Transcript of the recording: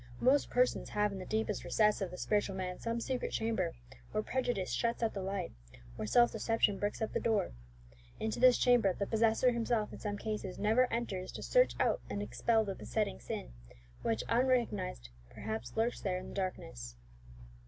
Most persons have in the deepest recess of the spiritual man some secret chamber, where prejudice shuts out the light, where self deception bricks up the door. Into this chamber the possessor himself in some cases never enters to search out and expel the besetting sin, which, unrecognized, perhaps lurks there in the darkness."